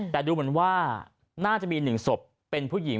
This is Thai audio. แต่ดูเหมือนว่าน่าจะมี๑ศพเป็นผู้หญิง